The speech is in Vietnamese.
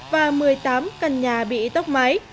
và một mươi tám căn nhà bị tốc máy